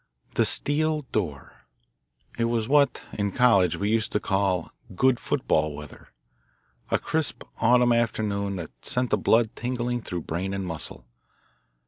The Steel Door It was what, in college, we used to call "good football weather" a crisp, autumn afternoon that sent the blood tingling through brain and muscle.